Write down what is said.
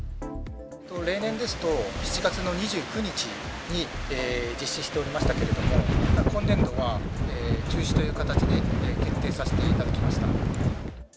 例年ですと、７月の２９日に実施しておりましたけれども、今年度は中止という形で決定させていただきました。